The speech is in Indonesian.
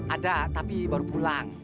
ada tapi baru pulang